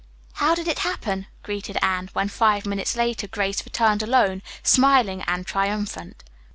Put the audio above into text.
"How did it happen?" greeted Anne, when five minutes later Grace returned alone, smiling and triumphant.